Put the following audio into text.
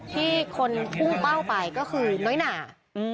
ที่คนพุ่งเป้าไปก็คือน้อยหนา